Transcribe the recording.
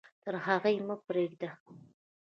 تر هغې مه پرېږده.